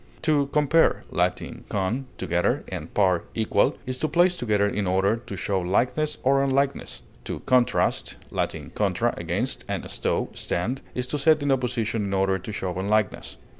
To compare (L. con, together, and par, equal) is to place together in order to show likeness or unlikeness; to contrast (L. contra, against, and sto, stand) is to set in opposition in order to show unlikeness.